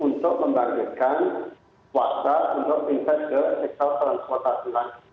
untuk membangkitkan kuasa untuk pindah ke sektor transportasi langsung